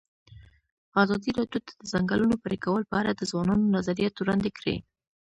ازادي راډیو د د ځنګلونو پرېکول په اړه د ځوانانو نظریات وړاندې کړي.